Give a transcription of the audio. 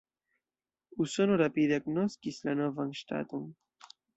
Usono rapide agnoskis la novan ŝtaton.